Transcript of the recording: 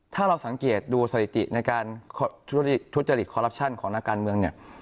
ถ้าเราสังเกตดูสถิติในการทุจริตคอรัปชั่นของนักการเมืองเนี่ย